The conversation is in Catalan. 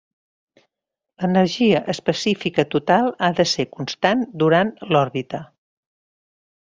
L'energia específica total ha de ser constant durant l'òrbita.